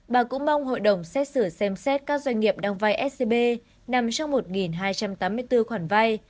bà cũng mong hội đồng xét xử xem xét các doanh nghiệp đăng vai scb nằm trong một hai trăm tám mươi bốn khoản vai